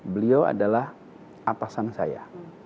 beliau adalah atasan saya